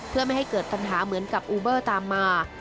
เพื่อไม่ให้เกิดปัญหาเหมือนกับอูเบอร์ตามมา